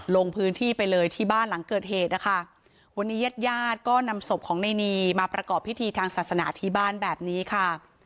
ลงพื้นที่ไปเลยที่บ้านหลังเกิดเหตุนะคะวันนี้ญาติญาติก็นำศพของในนีมาประกอบพิธีทางศาสนาที่บ้านแบบนี้ค่ะ